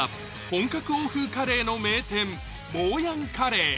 本格欧風カレーの名店もうやんカレー